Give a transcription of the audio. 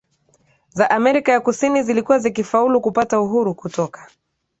za Amerika ya Kusini zilikuwa zikifaulu kupata uhuru kutoka